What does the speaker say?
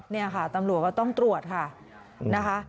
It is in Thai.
นี่ค่ะตำรวจว่าต้องตรวจนะคะ